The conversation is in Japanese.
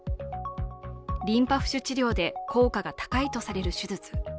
リンパ浮腫治療で効果が高いとされる手術。